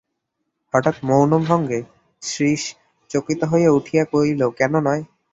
হঠাৎ মৌনভঙ্গে শ্রীশ চকিত হইয়া উঠিয়া কহিল, কেন নয়?